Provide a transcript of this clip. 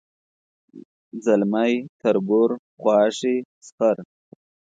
ځلمی تربور خواښې سخر